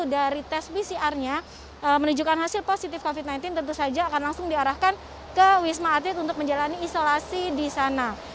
dari tes pcr nya menunjukkan hasil positif covid sembilan belas tentu saja akan langsung diarahkan ke wisma atlet untuk menjalani isolasi di sana